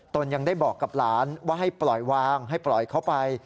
ตนยังได้บอกกับหลานว่าให้ปล่อยวางให้ปล่อยเขาไป